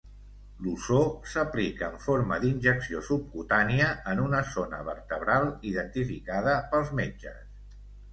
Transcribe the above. L'ozó s'aplica en forma d'injecció subcutània en una zona vertebral identificada pels metges.